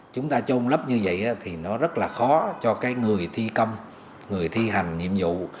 chúng ta trôn lấp như vậy thì nó rất là khó cho cái người thi công người thi hành nhiệm vụ